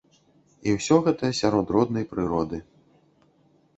І ўсё гэта сярод роднай прыроды.